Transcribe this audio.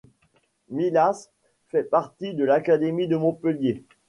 Millas fait partie de l'académie de Montpellier.